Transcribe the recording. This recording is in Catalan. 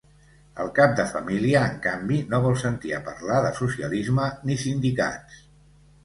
El cap de família, en canvi, no vol sentir a parlar de socialisme ni sindicats.